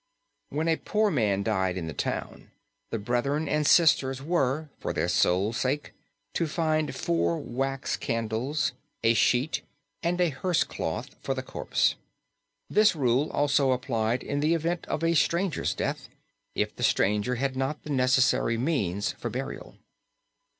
When a poor man died in the town the brethren and sisters were, for their soul's health, to find four wax candles, a sheet, and a hearse cloth for the corpse. This rule also applied in the event of a stranger's death, if the stranger had not the necessary means for burial.